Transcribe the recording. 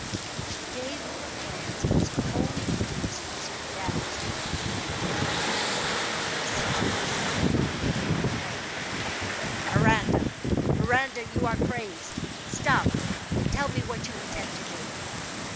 She gave him a glance as coldly fierce as her dagger's glance, and turned to go, when he stepped hastily forward, and interposed: "Miranda Miranda you are crazed! Stop and tell me what you intend to do."